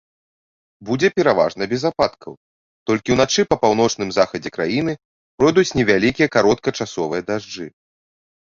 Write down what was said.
Будзе пераважна без ападкаў, толькі ўначы па паўночным захадзе краіны пройдуць невялікія кароткачасовыя дажджы.